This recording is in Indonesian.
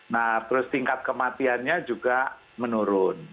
nah terus tingkat kematiannya juga menurun